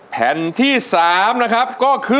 แผ่นที่๓นะครับก็คือ